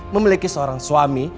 memiliki seorang suami